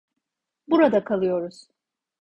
Burada kalıyoruz.